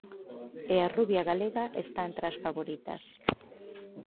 E a rubia galega está entre as favoritas.